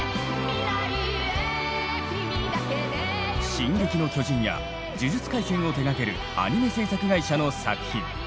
「進撃の巨人」や「呪術廻戦」を手がけるアニメ制作会社の作品。